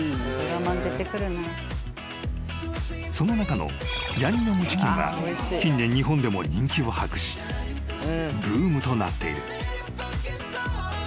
［その中のヤンニョムチキンは近年日本でも人気を博しブームとなっている］